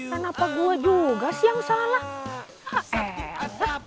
kenapa gue juga sih yang salah